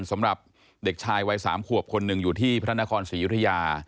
สำหรับเด็กชายวัย๓ขวบคนหนึ่งอยู่ที่พระนครศรียุธยา